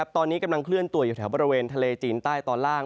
ตอนนี้กำลังเคลื่อนตัวอยู่แถวบริเวณทะเลจีนใต้ตอนล่าง